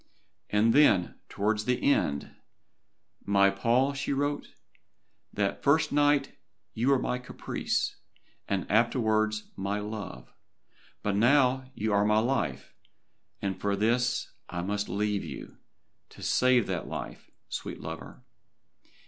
And then, towards the end, "My Paul," she wrote, "that first night you were my caprice, and afterwards my love, but now you are my life, and for this I must leave you, to save that life, sweet lover.